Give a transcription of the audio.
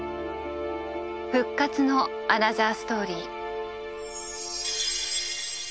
復活のアナザーストーリー。